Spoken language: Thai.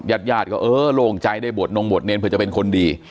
ญาติก็โล่งใจได้บวชเนรเผื่อจะเป็นคนดี